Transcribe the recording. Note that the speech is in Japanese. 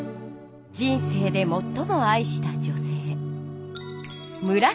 人生でもっとも愛した女性